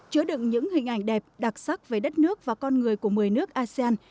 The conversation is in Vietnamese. chứa đựng những hình ảnh đẹp đặc sắc về đất nước và con người của một mươi nước asean